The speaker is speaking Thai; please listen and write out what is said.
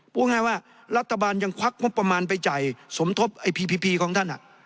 พูดง่ายว่ารัฐบาลยังควักงบประมาณไปจ่ายสมทบไอ้พีพีพีของท่าน